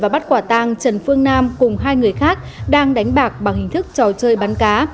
và bắt quả tang trần phương nam cùng hai người khác đang đánh bạc bằng hình thức trò chơi bắn cá